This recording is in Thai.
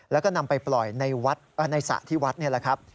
แล้วก็นำไปปล่อยในวัดในสระที่วัดนี่แหละครับ